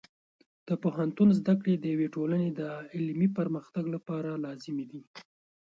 د پوهنتون زده کړې د یوې ټولنې د علمي پرمختګ لپاره لازمي دي.